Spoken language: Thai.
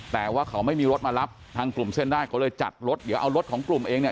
แต่ว่าเขาไม่มีรถมารับทางกลุ่มเส้นได้เขาเลยจัดรถเดี๋ยวเอารถของกลุ่มเองเนี่ย